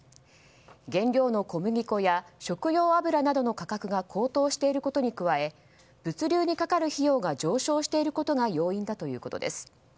原料の小麦粉や食用油などの価格が高騰していることに加え物流にかかる費用が上昇していることが要因だということです。